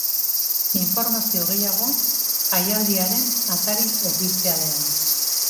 Informazio gehiago, jaialdiaren atari ofizialean.